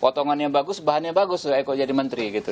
potongannya bagus bahannya bagus tuh eko jadi menteri gitu